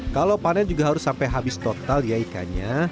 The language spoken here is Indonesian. kalau panen juga harus sampai habis total ya ikannya